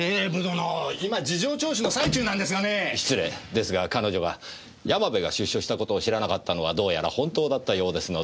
ですが彼女が山部が出所したことを知らなかったのはどうやら本当だったようですので。